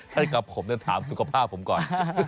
ท่านกลับผมแต่ถามสุขภาพผมก่อน